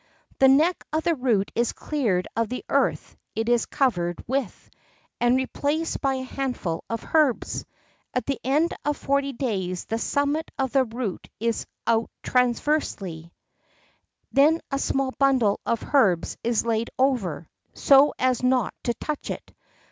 "The neck of the root is cleared of the earth it is covered with, and replaced by a handful of herbs. At the end of forty days the summit of the root is out transversely; then a small bundle of herbs is laid over, so as not to touch it.